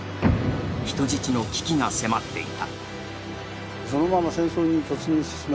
人質の危機が迫っていた。